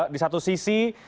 di satu sisi